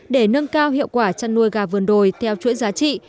để nâng cao hiệu quả chăn nuôi gà vườn đồi theo chuỗi giá trị